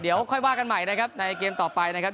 เดี๋ยวค่อยว่ากันใหม่นะครับในเกมต่อไปนะครับ